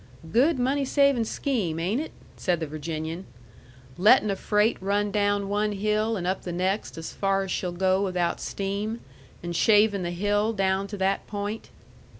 "Good money savin' scheme, ain't it?" said the Virginian. "Lettin' a freight run down one hill an' up the next as far as she'll go without steam, an' shavin' the hill down to that point."